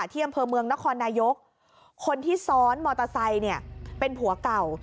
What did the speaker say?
ที่อำเภอเมืองนครนายกคนที่ซ้อนมอเตอร์ไซค์เนี่ยเป็นผัวเก่า